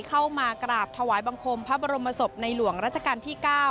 เข้ามากราบถวายบังคมพระบรมศพในหลวงราชการที่๙